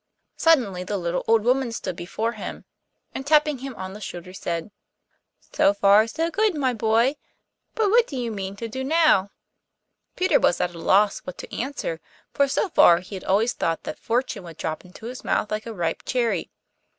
Suddenly the little old woman stood before him, and, tapping him on the shoulder, said, 'So far good, my boy; but what do you mean to do now?' Peter was at a loss what to answer, for so far he had always thought that fortune would drop into his mouth like a ripe cherry.